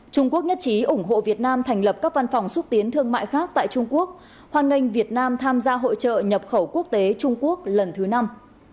trung quốc nhất trí ủng hộ việt nam thành lập các văn phòng xúc tiến thương mại khác tại trung quốc hoan nghênh việt nam tham gia hội trợ nhập khẩu quốc tế trung quốc lần thứ năm